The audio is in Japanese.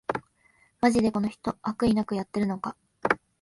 マジでこの人、悪意なくやってるのか